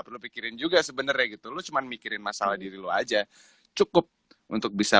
perlu pikirin juga sebenarnya gitu lo cuma mikirin masalah diri lo aja cukup untuk bisa